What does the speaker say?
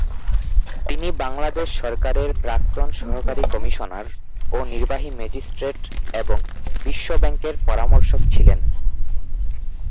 তিনি বাংলাদেশ সরকারের প্রাক্তন সহকারী কমিশনার ও নির্বাহী ম্যাজিস্ট্রেট এবং বিশ্ব ব্যাংকের পরামর্শক ছিলেন।